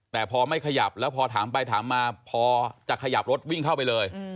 แต่พอไม่ขยับแล้วพอถามไปถามมาพอจะขยับรถวิ่งเข้าไปเลย